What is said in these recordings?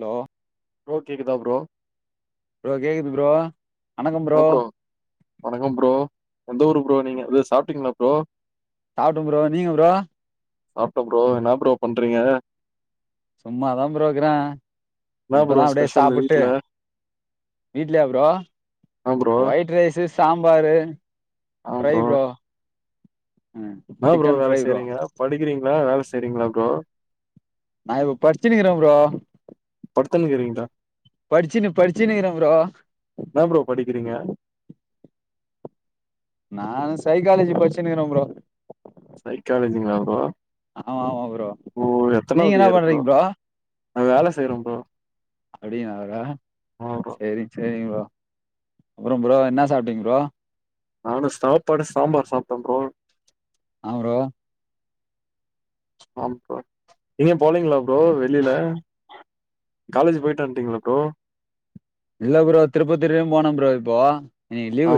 Low bro கேக்குதா bro bro கேக்குது bro ன்ன ப்ரோ வணக்கம் ப்ரோ எந்த ஊரு ப்ரோ நீங்க ந்து சாப்ட்டீங்ளா ப்ரோ சாப்ட்ட ப்ரோ நீங்க ப்ரோ சாப்ட்ட ப்ரோ என்ன ப்ரோ பண்றீங்க சும்மாதா ப்ரோக்ர இப்பதா அப்டியே சாப்ட்டு வீட் இல்லையா bro white rice sambar fry bro னா ப்ரோ வேல செய்றீங்க படிக்றீங்ளா வேல சரிங்ளா ப்ரோ நா இப்ப படிச்னுக்றே ப்ரோ படிச்சினு படிச்னுக்றே ப்ரோ நானு சைக்காலஜி படிச்னுக்ற ப்ரோ சைக்காலஜிங்ளா ப்ரோ ஆமாமா ப்ரோ நீங்கன்னா பண்றீங்க ப்ரோ அப்டீனாகா செரி செரி வா அப்பறம் ப்ரோ என்ன சாப்ட்டீங் ப்ரோ நானு சாப்பாடு சாம்பார் சாப்ட்டே ப்ரோ அவ்றோ ஆம்ப்பா நீங்க போலீங்களா ப்ரோ வெளில காலேஜ் போயிட்டு வன்ட்டீங்ளா ப்ரோ இல்ல ப்ரோ திருப்பத்திர வர போனோ ப்ரோ இப்போ இன்னிக்கு லீவு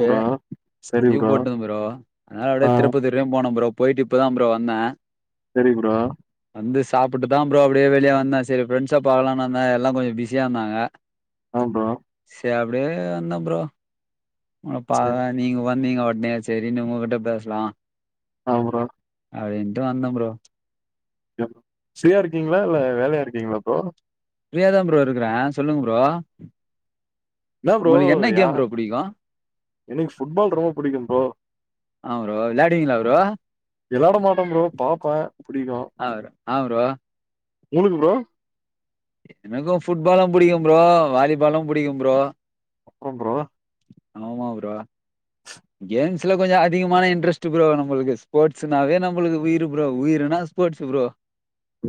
லீவ் போட்ட ப்ரோ அதனால அப்டிய திருப்பத்தூர் வரையு போனம் ப்ரோ போயிட்டு இப்போதான ப்ரோ வந்தே செரி ப்ரோ வந்து சாப்பிட்டு தா ப்ரோ அப்டியே வெளிய வந்தே சரி ஃபிரெண்ட்ஸ பாக்கலானு வந்த எல்லா கொஞ்ச பிஸியா இந்தாங்க சியப் அப்டியே வந்த ப்ரோ உன்ன பாக நீங்க வந் நீங்க வொடனே சேரினு உங்கிட்ட பேசலா ஆ ப்ரோ அவின்டு இந்து வந்த ப்ரோ ப் ஃபிரீயா இருக்கீங்களா இல்ல வேலையா இருக்கீங்களா ப்ரோ ஃபிரியா தா ப்ரோ இருக்கிறே சொல்லுங்க ப்ரோ என்ன ப்ரோ யார எனக்கு ஃபுட்பால் ரொம்ப புடிக்கு ப்ரோ வெளாட மாட்ட ப்ரோ பாப்பே புடிக்கு உங்களுக்கு ப்ரோ எனக்கு ஃபுட்பாலு புடிக்கு ப்ரோ வாலிபாலு புடிக்கு ப்ரோ அப்றோ ப்ரோ ஆமா ப்ரோ கேம்ஸ்ல கொஞ்ச அதிகமான இன்ட்ரெஸ்ட் ப்ரோ நம்மளுக்கு ஸ்போர்ட்ஸ்னாவே நம்மளுக்கு உயிரு ப்ரோ உயிருனா ஸ்போர்ட்ஸ் ப்ரோ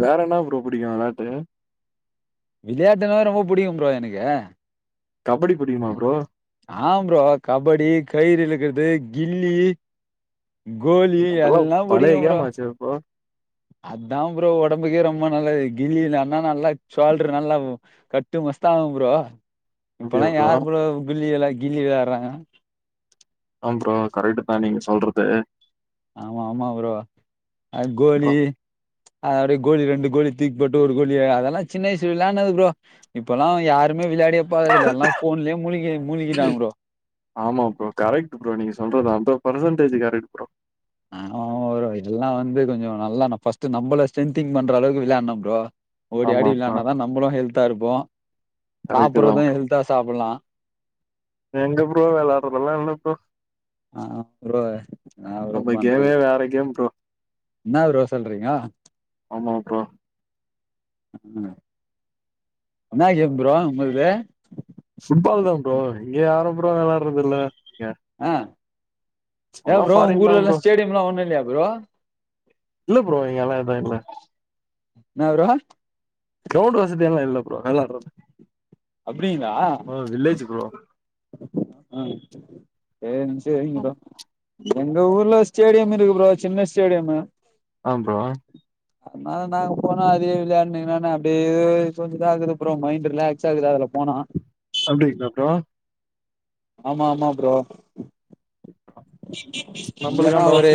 வேற என்ன ப்ரோ புடிக்கு வெளாட்டு விளையாட்டுனாவே ரொம்ப புடிக்கு ப்ரோ எனக்கு கபடி புடிக்குமா ப்ரோ ஆ ப்ரோ கபடி கயிறுழுக்கிது கில்லி கோலி எல்லா புடிக்கு ப்ரோ அதா ப்ரோ ஒடம்புக்கே ரொம்ப நல்லது கில்லி விளான்னா நல்லா ஷோல்டர் நல்லா கட்டு மஸ்தா ஆவு ப்ரோ இப்பல யாரு ப்ரோ கில்லியல்ல கில்லி விளையாறாங்க ஆ ப்ரோ கரெக்ட்தா நீங்க சொல்றது ஆமா ஆமா ப்ரோ ஆ கோலி அ அப்பிடியே கோலி ரெண்டு கோலி தூக்கி போட்டு ஒரு கோலி அதெல்லா சின்ன வயசுல விளையானது ப்ரோ இப்பெல்லா யாரும் ஆமா ப்ரோ கரெக்ட் ப்ரோ நீங்க சொல்றது ஹன்ரெட் பர்சன்டேஜ் கரெக்ட் ப்ரோ ஆ ஒரு இல்லா வந்து கொஞ்சோ நல்லா பஸ்ட் நம்மள ஸ்ட்ரென்திங் பண்ற அளவுக்கு விளையானு ப்ரோ ஓடி ஆடி விளையானாதா நம்மளு ஹெல்தா இருப்போ சாப்பறது ஹெல்தா சாப்பிலா ப்ரோ ஆ ப்ரோ இன்னா ப்ரோ பண்றது இன்னா ப்ரோ சொல்றீங்க ம் என்ன கேம் ப்ரோ உங்ளுது ஃபுட் பால்தா ப்ரோ இங்க யாரு ப்ரோ விளாரதில்ல அ ஏ ப்ரோ உங்க ஊர்லல்லா ஸ்டேடியம்லா ஒண்ணு இல்லையா ப்ரோ இல்ல ப்ரோ இங்கல்லா எது இல்ல இன்னா ப்ரோ புரோடு வசதி எல்லா இல்ல ப்ரோ நல்லா ஆடுரோ அப்பிடிங்களா அ சேரி சேரிங் ப்ரோ எங்க ஊர்ல ஸ்டேடியம் இருக்கு ப்ரோ சின்ன ஸ்டேடியமு ஆ ப்ரோ அனால நாங்க போன அதே விளாயானுகிறான அப்டே கொஞ்சதா அகுது ப்ரோ மைண்ட் ரிலாக் ஸ்சாகுதுல அதுல போனா ஆமா ஆமா ப்ரோ இல்லன்னா ஒரு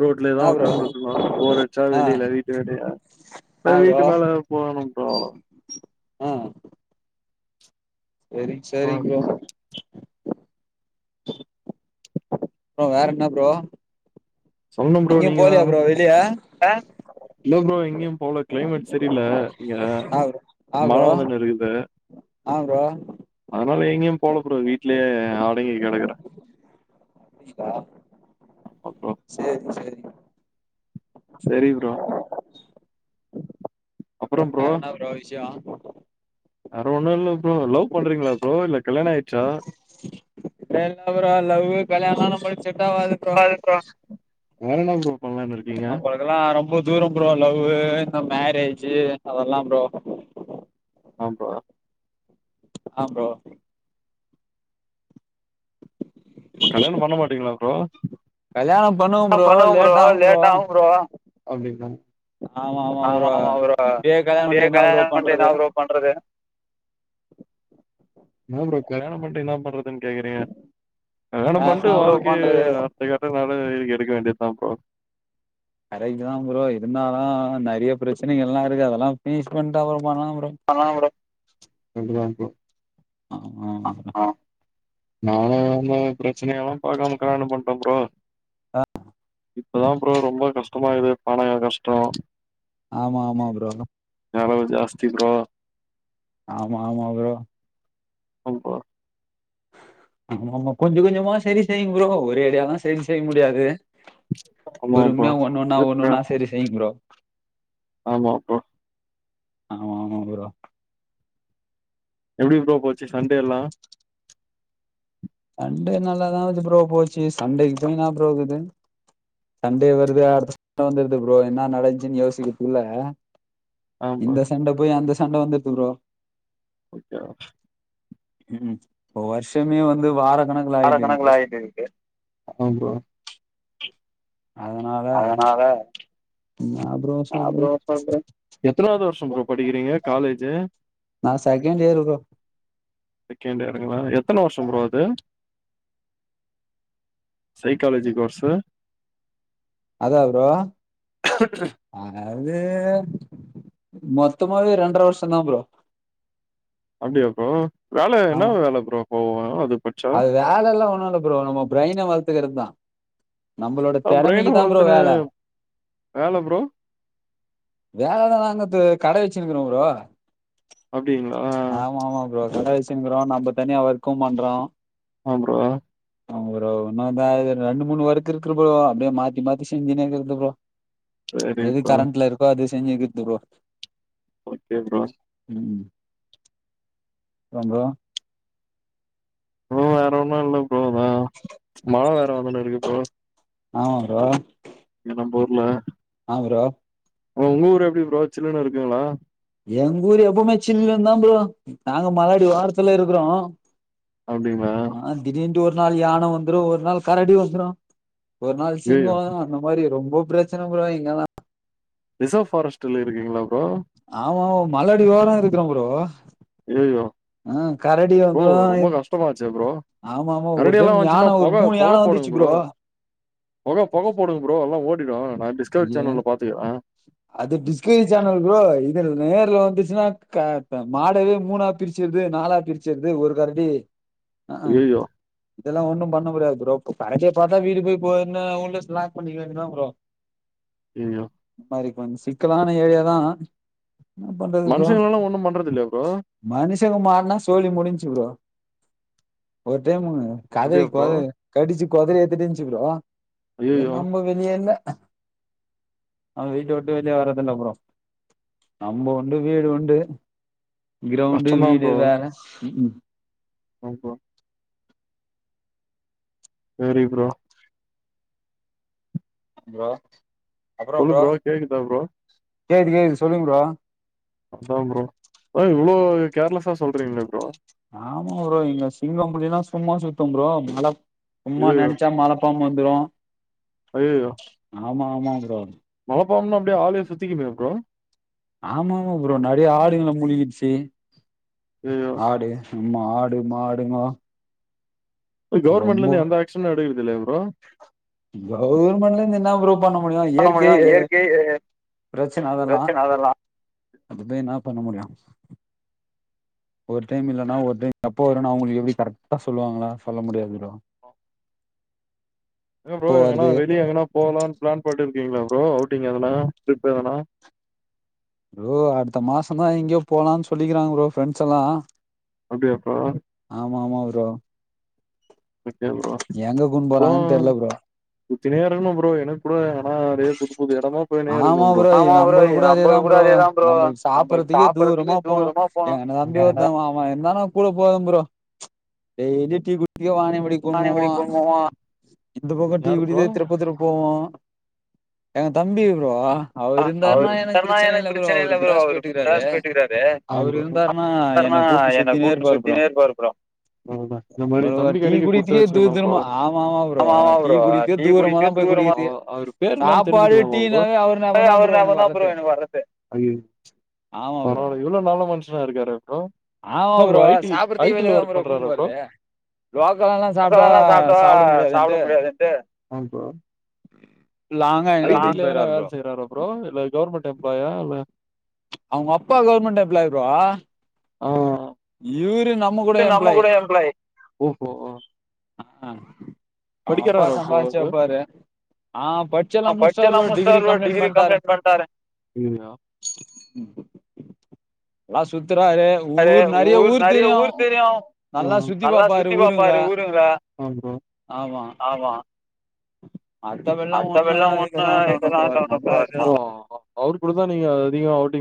ரோட்லேதா உக்காந்துருக்கணு போறச்சா வெளியில வீட்டு வெளிய வீட்டு மேலே போணு ஆ சேரி சேரி ப்ரோ ப்புறோ வேற என்ன ப்ரோ எங்யும் போலியா ப்ரோ வெளிய? இல்ல ப்ரோ எங்யும் போல க்ளைமேட் செரி இல்ல இங்க மழ வந்துன்ன இருக்குது அ னால எங்யும் போல ப்ரோ வீட்லயே அடங்கி கடக்குறே [unintelligible] ஒ சேரி சேரி சேரி ப்ரோ ப்ரோ வேறன்ன ப்ரோ விஷ்யோ வேற ஒன்னுல்ல ப்ரோ லவ் இல்லெல்ல ப்ரோ‌ லவ்வு கல்யாண்லா நம்மளுக் செட்டாவாது ப்ரோ வேறென்ன ப்ரோ நம்மளுக்கல்லா ரொம்ப தூரம் ப்ரோ லவ்வு இந்த மேரேஜு அதெல்லா ப்ரோ ஆம் ப்ரோ ஆம் ப்ரோ அப்ப கல்யாணம் பண்ண மாட்டீங்களா ப்ரோ அப்டின்னாரு ஆமாமா ப்ரோ இப்பயே கல்யாண பண்ட்டு‌ என்னா ப்ரோ பண்றது என்ன ப்ரோ கல்யாணம் பண்ட்டு என்னா பண்றது ன் கேக்குறீங்க கல்யாணம் பண்ட்டு வாழ்க்கைய [unintelligible] ருக்க வேண்டியதா ப்ரோ கரெக்ட் தாம் ப்ரோ இருந்தாலு நறைய பிரச்சனைகள்லா இருக்கு அதெல்லா ஃபினிஷ் பண்ட்டு அப்புறொ கண்டிப்பா ப்ரோ அ ஆ நானு பிரச்சனையல்லா பாக்காம கல்யாண பண்ட்டம்ப்ரோ இப்பதா ப்ரோ ரொம்ப கஷ்டமா இருகுது பணகஷ்டொ ஆமா ஆமா ப்ரோ செலவு ஜாஸ்தி ப்ரோ ஆமா ஆமா ப்ரோ ஆம் பா ஆமாமா கொஞ்ச கொஞ்சமா சரி செய்யுங் ப்ரோ ஒரேடியாலா சரி செய்ய முடியாது பொறும்யா ஒன்னொன்னா ஒன்னொன்னா சரி செய்யிங் ப்ரோ ஆமாமா ப்ரோ எப்பிடி ப்ரோ போச்சி சண்டே எல்லா சண்டே நல்லாதா வது ப்ரோ போச்சி சண்டேக்கு தின்னா ப்ரோகுக்குது சண்டே வருது அடுத்த சண்ட வந்துடுது ப்ரோ என்ன நடஞ்சின்னு யோசிக்கதுகுல்ல இந்த சண்ட போய் அந்த ச சண்ட வந்துருது ப்ரோ [unintelligible] ம் வருஷமே வந் ந்து வார அரக்கணக்கல ஆயிட்டு இருக்கு ஆ அ ப்ரோ அதனால நா ப்ரோ சொல்ற எத்தனாது வருஷ் சோ ப்ரோ படிக்கிறீங்க காலேஜு நா second year bro second year ங்களா எத்தன வருஷோ ப்ரோ அது சைக்காலஜி கோர்ஸ் அதா ப்ரோ ஆ அ அது மொத்தமாவவே ரெண்டரை வருஷதா ப்ரோ அப்பிடியா ப்ரோ வேல என்னா வேல ப்ரோ ஓவ அது அது வேல எல்லா ஒண்ணு இல்ல ப்ரோ நம்ம பிரைன வளத்துக்கறதா நம்மளோட தெறமைக்குதா ப்ரோ வேலலா வாங்கத்து கட வச் ச்சினுக்கிறே ப்ரோ ஆமா ஆமா ப்ரோ கட வச் ச்சினுக்குறோ நம்ம தனியா ஒர்க் பண்றோ ஆ ப்ரோ ஆ ப்ரோ இன்னாதா இது ரெண்டு மூனு ஒர்க் இருக்கு ப்ரோ அப்பிடியே மாத்தி மாத்தி செஞ்சினே இக்கறது ப்ரோ எது கரண்ட்ல இருக்கோ அது நெஞ்சிகித்து ப்ரோ ஓகே ப்ரோ ம் ப்பறோ ப்ரோ ப்ரோ வேற ஒன்னு இல்ல ப்ரோதா மழ வேற வந்தன்னுருக்கு ப்ரோ ஆமா ப்ரோ எனம் போர்ல அவுரா உ ஊர் எப்டி புரோச்சலன்னு இருக்குங்களா எங் ஊர் எப்போமே சில்லுனு தா ப்ரோ நாங்க மல அடி வாரத்திலிருக்கிறோ அப்டிங்ளா இப்ப ஒரு நாள் யானை வந்துரு ஒரு நாள் கரடி வந்துரு ஒரு நாள் சிங்க அந்த மாரி ரொம் ஒ பிரச்சன ப்ரோ இங்கல்லா ரிசர்வ் பாரஸ்ட்ல இருக்கீங்ளாப் ஆமாமாப் மலடி வார இருக்கிற ப்ரோ சியோ போ ரொம்ப கஷ்டமாச்சே ப்ரோ நரடியலா வந்துசுனா பொக பொக போடுங்க ப்ரோ பொக பொக போடுங்க ப்ரோ எலா ஓடிடு நா டிஸ்கவரி சேனல பாத்துயா அது டிஸ்கவரி சேனல் குரோ இதுல நேர்ல வந்துச்சுன்னா க மாடவே மூணா பிரிச்சுருது நாலா பிரிச்சுருது ஒரு கரண்டி அஅ இதெல்லா ஒன்னு பண்ண முடியாது ப்ரோ கணக்கு பாத்தா வீடு போய் எனா உள்ள [unintelligible] பண்ணிக்கதா ப்ரோ இயோ இந்த மாரி கொஞ்ச சிக்கலான ஏரியாதா என்ன பண்றது ப்ரோ மனுஷங்க மாட்னா சோழி முடிஞ்ச்சு ப்ரோ ஒர் டைமுங்க கதரிக்கொத கடிச்சிப் கொதரி எத்தடிஞ்சு ப்ரோ ஏ நம்ம வெளியல்ல அ ஆ வீட்டவுட்டு வெளிய வர்றதுல ப்ரோ நம்பவுண்டு வீடுண்டு கிரௌண்டு வீடு வேற ம் ம் அ பா சேரி ப்ரோ ப்ரோ சொல்லு ப்ரோ கேக்குதா ப்ரோ கேக்து கேக்து சொல்லுங்க ப்ரோ அதா ப்ரோ ப்ரோ இவ்ளோ கேர்லஸா சொல்றீங்ளே ப்ரோ ஆமா ப்ரோ இங்க சிங்கம் புலிலா சும்மா சுத்தோம் ப்ரோ சும்மா நெனச்சா மலப்பாம்பு வந்துரு அய்யயோ ஆமா ஆமா ப்ரோ மலபாம்புனா அப்டியே ஆளயே சுத்திக்குமே ப்ரோ ஆமா ஆமா ப்ரோ நெறய ஆடுளுங்கள முழுங்கிடுச்சு ஆடு ஆடு மாடுங்களா ரொம்ப கவுர்மெண்ட்ல இருந்து என்னா ப்ரோ பண்ண முடியு இயற்கை பிரச்சன அதெல்லா அத போய் என்னா பண்ண முடியு ஒரு டைம் இல்லன்னா ஒரு டைம் எப்போ வருன்னு அவுங்களு எப்டி கரெக்டா சொல்லுவாங்ளா சொல்ல முடியாது ப்ரோ ஆ ங்க ப்ரோ எங்கனா வெளிய எங்கனா போகலாம்னு பிளான் பண்ணிருன் இருங்கீங்ளா ப்ரோ அவுட்டிங் எதனா ட்ரிப் எதனா ப்ரோ அடுத்த மாசந்தா எங்கேயோ போலானு சொல்லிக்கிறாங்க ப்ரோ ஃப்ரெண்ட்ஸ் எல்லா அப்டியாப்பா ப்ரோ எங்க கூட்னு போறாங்கனு தெரியல ப்ரோ சுத்திக்குனே இருன்னு ப்ரோ எனக்கு கூட ஆனா அதே ஆமா ப்ரோ நம்மளுக்கு கூட அதேதா ப்ரோ நம்மளுக்கு சாப்றதுக்கே தூரமா போனோ எங்கல நம்பி ஒருத்த அவிருந்தானா கூட போது ப்ரோ டெய்லி டீக்குடி வானை வடி குடும்புவோம எந்த பக்கம் டி குடி திருப்ப திரு போவோ எங்க தம்பி ப்ரோ ஆ அவரு இருந்தார்னா எனக்கு பிரச்சன இல்ல ப்ரோ அவரு மெட்ராஸ் போயிட்டுக்கிறாரு ஆ ப்ரோ என்ன கூட்டு சுத்தினே இருப்பாரு ப்ரோ இந்த மாதிரி தம்பி கெடைக்க குடுத்து வச்சுக்கணும் ப்ரோ ஆமாமா ப்ரோ டீ குடி தூரமா அவரு பேர் என்னான்னு தெரிஞ்சுக்கலாமா ப்ரோ அவர் நாபகம் தா ப்ரோ எனக்கு வர்ரதே அய்யோ பரவால்ல இவ்ளோ நல்ல மன்ஷ ச இருக்காரு ப்ரோ என்ன ப்ரோ ஐ டி ஐ டில ஒர்க் பண்றாரா ப்ரோ சாப்ட சாப்ட முடியாதுன்டு வேனா வேல செய்யுறாரு ப்ரோ இல்ல கவர்மெண்ட் எம்ப்ளாயா இல்ல அவுங்க அப்பா கவர்மெண்ட் எம்ப்ளாய்ப்பா ஆ இவரு து நம்ம கூட எம்பளாயி ஓஹோ ஆஹ அவங்க அப்பா சம்பாதிச்சிப்பாரு ஆ படிச்சல முடிச்சிட்டாரு ஒரு டிகிரி கம்ப்லீட் பண்ட்டாரு அதா சுத் தறாரு ஊர் ஊர் நறையா ஊர் தெரியும் ம் நல்லா சுத்தி பாப்பாரு ஊருங்க ம் ஆமா [inaudible] ஆ [inaudible] அர்த்தமெல்லா ஒண்ணு எதுகெல்லா ஆட் ஆனுங்கிறாரு ஓ அவரு கூடதா நீங்க அதிகம் அவுட்டிங்